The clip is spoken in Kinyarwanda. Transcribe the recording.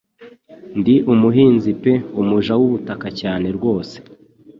Ndi umuhinzi pe umuja wubutaka cyane rwose